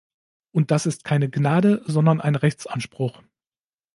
Und das ist keine Gnade, sondern ein Rechtsanspruch!